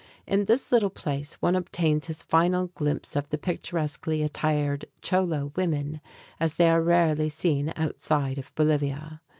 In this little place, one obtains his final glimpse of the picturesquely attired Cholo women, as they are rarely seen outside of Bolivia.